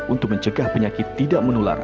untuk mencegah penyakit tidak menular